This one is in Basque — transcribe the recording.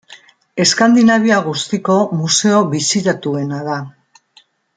Eskandinavia guztiko museo bisitatuena da.